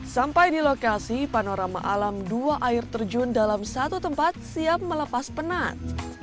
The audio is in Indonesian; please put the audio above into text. sampai di lokasi panorama alam dua air terjun dalam satu tempat siap melepas penat